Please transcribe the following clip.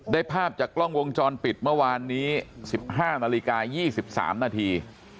ได้ภาพจากกล้องวงจรปิดเมื่อวานนี้สิบห้านาฬิกายี่สิบสามนาที